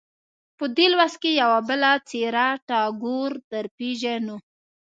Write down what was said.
په دې لوست کې یوه بله څېره ټاګور درپېژنو.